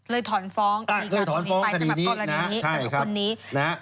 เลยถอนฟ้องดีการตรงนี้ก็เป็นปลายจำนัดกรณีสำหรับคนนี้